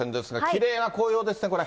きれいな紅葉ですね、これ。